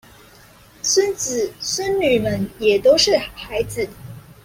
孫子孫女們也都是好孩子